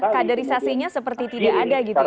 kaderisasinya seperti tidak ada gitu ya